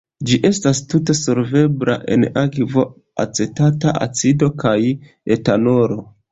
Ĝi estas tute solvebla en akvo, acetata acido kaj etanolo.